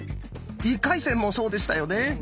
１回戦もそうでしたよね。